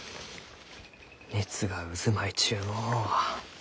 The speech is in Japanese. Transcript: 熱が渦巻いちゅうのう。